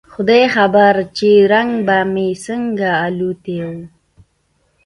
خداى خبر چې رنگ به مې څنګه الوتى و.